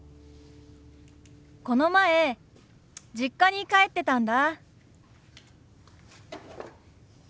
この前実家に帰ってたんだ。